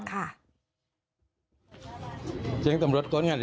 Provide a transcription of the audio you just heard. ค่ะ